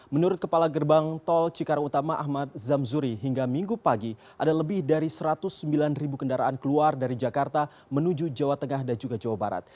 menurut kepala gerbang tol cikarang utama ahmad zamzuri hingga minggu pagi ada lebih dari satu ratus sembilan ribu kendaraan keluar dari jakarta menuju jawa tengah dan juga jawa barat